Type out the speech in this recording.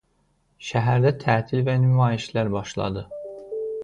Şəhərdə tətil və nümayişlər başladı.